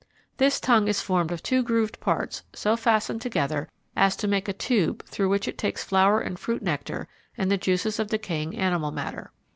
This tongue is formed of two grooved parts so fastened together as to make a tube through which it takes flower and fruit nectar and the juices of decaying animal matter.